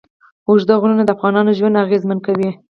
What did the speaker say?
اوږده غرونه د افغانانو ژوند اغېزمن کوي.